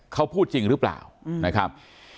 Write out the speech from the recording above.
เขาพูดจริงหรือเปล่านะครับ